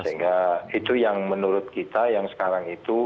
sehingga itu yang menurut kita yang sekarang itu